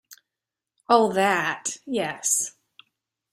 Oh, that, yes.